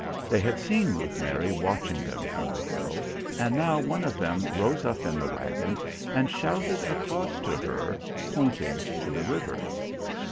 They had seen Ruth Mary watching them from the hill, and now one of them rose up in the wagon and shouted across to her, pointing to the river.